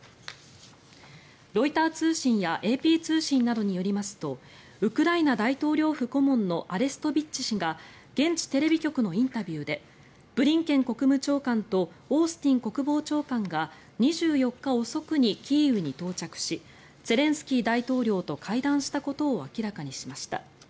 ロイター通信やＡＰ通信などによりますとウクライナ大統領府顧問のアレストビッチ氏が現地テレビ局のインタビューでブリンケン国務長官とオースティン国防長官が２４日遅くにキーウに到着しゼレンスキー大統領と会談したことを明らかにしました。